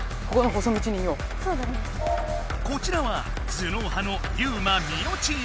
こちらは頭脳派のユウマ・ミオチーム。